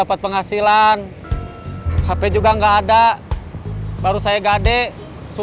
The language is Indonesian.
kakek bilang kan boleh sedikit